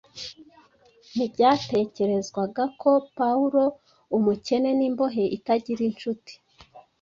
Ntibyatekerezwaga ko Pawulo, umukene n’imbohe itagira incuti,